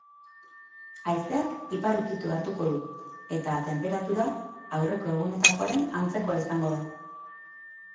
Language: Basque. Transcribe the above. Haizeak ipar ukitua hartuko du, eta tenperatura aurreko egunetakoaren antzekoa izango da.